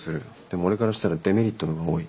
でも俺からしたらデメリットの方が多い。